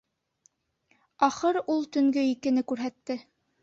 Ахыр ул төнгө икене күрһәтте.